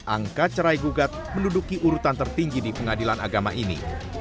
angka cerai gugat menduduki urutan tertinggi di pengadilan agama ini